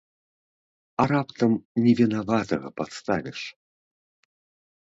А раптам невінаватага падставіш?